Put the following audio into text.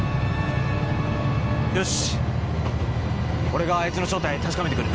よし俺があいつの正体確かめてくる。